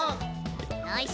よし。